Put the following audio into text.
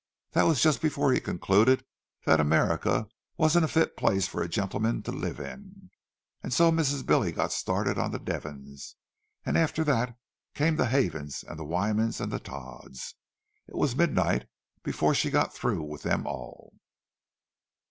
That was just before he concluded that America wasn't a fit place for a gentleman to live in." And so Mrs. Billy got started on the Devons! And after that came the Havens and the Wymans and the Todds—it was midnight before she got through with them all.